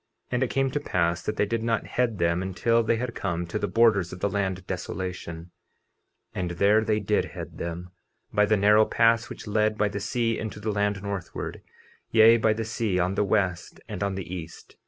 50:34 And it came to pass that they did not head them until they had come to the borders of the land Desolation; and there they did head them, by the narrow pass which led by the sea into the land northward, yea, by the sea, on the west and on the east.